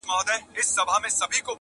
سپینو پلوشو یې باطل کړي منترونه دي؛